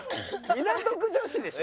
港区女子でしょ？